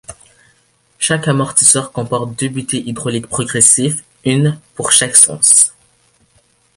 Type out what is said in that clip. Chaque amortisseur comporte deux butées hydrauliques progressives, une pour chaque sens.